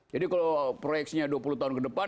jadi kalau proyeksinya dua puluh tahun ke depan